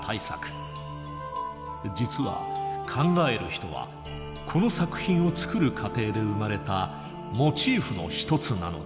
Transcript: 実は「考える人」はこの作品を作る過程で生まれたモチーフの一つなのだ。